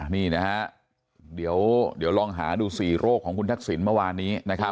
นี่นะฮะเดี๋ยวลองหาดู๔โรคของคุณทักษิณเมื่อวานนี้นะครับ